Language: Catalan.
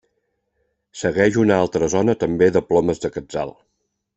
Segueix una altra zona també de plomes de quetzal.